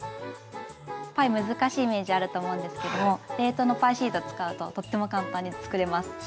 パイ難しいイメージあると思うんですけども冷凍のパイシート使うととっても簡単に作れます。